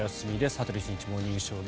「羽鳥慎一モーニングショー」。